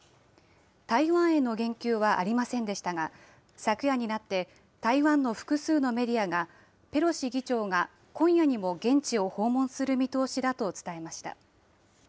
台湾への言及はありませんでしたが、昨夜になって、台湾の複数のメディアがペロシ議長が今夜にも現地を訪問する見通しだと伝えました。